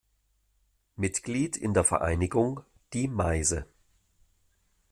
Mitglied in der Vereinigung „Die Meise“.